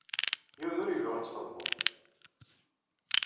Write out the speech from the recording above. Yiwen ur ibɣi ad t-txedmeḍ.